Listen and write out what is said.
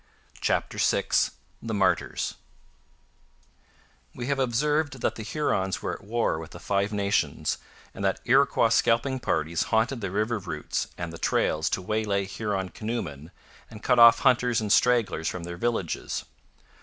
CHAPTER VI THE MARTYRS We have observed that the Hurons were at war with the Five Nations and that Iroquois scalping parties haunted the river routes and the trails to waylay Huron canoemen and cut off hunters and stragglers from their villages.